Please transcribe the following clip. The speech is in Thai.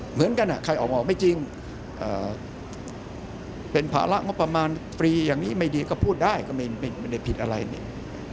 เหมือนกันอ่ะใครออกมาออกไม่จริงเอ่อเป็นภาระงบประมาณฟรีอย่างนี้ไม่ดีก็พูดได้ก็ไม่มีมันไม่ได้ผิดอะไรอันนี้